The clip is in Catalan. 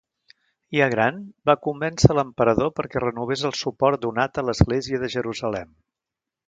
Ja gran, va convèncer l'emperador perquè renovés el suport donat a l'Església de Jerusalem.